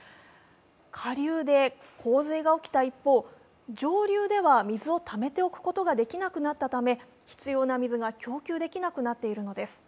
下流で洪水が起きた一方、上流では水をためておくことができなくなったため、必要な水が供給できなくなっているのです。